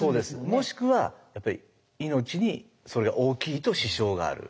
もしくは命にそれが大きいと支障がある。